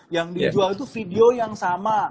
yang dijual itu video yang sama